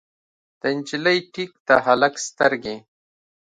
د نجلۍ ټیک، د هلک سترګې